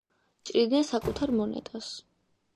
ჭრიდნენ საკუთარ მონეტას.